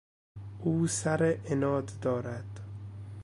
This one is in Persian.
او سر عناد دارد.